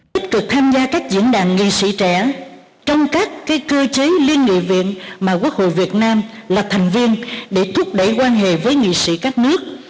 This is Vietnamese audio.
tích cực tham gia các diễn đàn nghị sĩ trẻ trong các cơ chế liên nghị viện mà quốc hội việt nam là thành viên để thúc đẩy quan hệ với nghị sĩ các nước